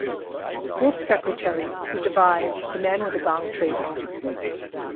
Woolf's secretary who devised the man-with-a-gong trademark.